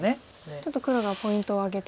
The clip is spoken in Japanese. ちょっと黒がポイントを挙げた。